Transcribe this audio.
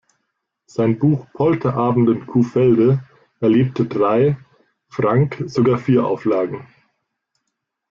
Sein Buch "Polterabend in Kuhfelde" erlebte drei, "Frank" sogar vier Auflagen.